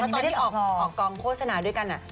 อันนี้ไม่ได้ออกกองโฆษณาด้วยกันอะ